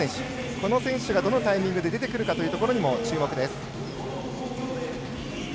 この選手がどのタイミングで出てくるかというところにも注目です。